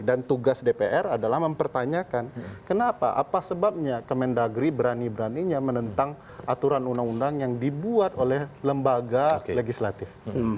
dan tugas dpr adalah mempertanyakan kenapa apa sebabnya kemendagri berani beraninya menentang aturan undang undang yang dibuat oleh lembaga legislatif